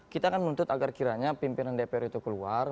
kita kan menuntut agar kiranya pimpinan dpr itu keluar